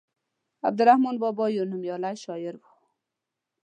عبدالرحمان بابا يو نوميالی شاعر وو.